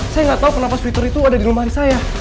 saya gak tau kenapa sweater itu ada di lemari saya